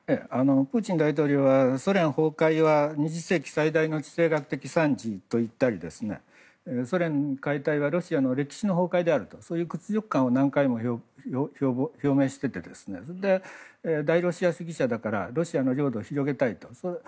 プーチン大統領はソ連崩壊は２０世紀最大の地政学惨事と言ったりソ連解体はロシアの歴史の崩壊であるとそういう屈辱感を何回も表明していて大ロシア主義者だからロシアの領土を広げたいと。